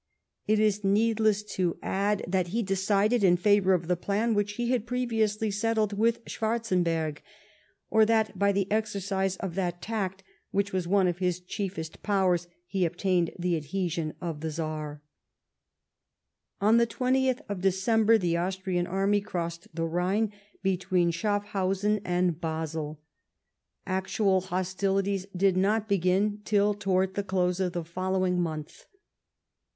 It is needless to add that TEE FALL OF NAPOLEON. 125 he dockled In favour of" the plan which he had previously settled with Schwarzenberg , or that by the exercise of that tact which was one of his chiefest powers he obtained the adhesion of the (^zar. On the 20th December the Austrian army crossed the Rhine between Sehaffhausen and Basel. Actual hostilities did not beii'in till towards the close of the followino month.